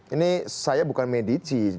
ini saya bukan medici